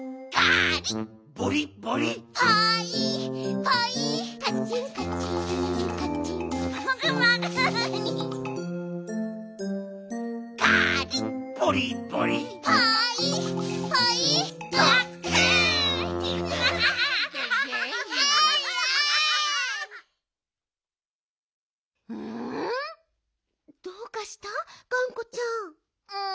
がんこちゃん。